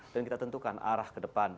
dan kita tentukan arah ke depan